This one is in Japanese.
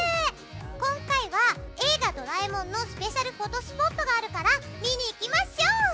今回は、「映画ドラえもん」のスペシャルフォトスポットがあるから見に行きましょう！